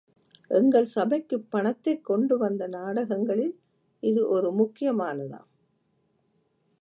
எங்கள் சபைக்குப் பணத்தைக் கொண்டு வந்த நாடகங்களில் இது ஒரு முக்கியமானதாம்.